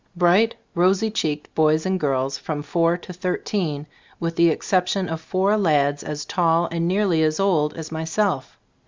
Bright, rosy cheeked boys and girls from four to thirteen, with the exception of four lads, as tall and nearly as old as my self.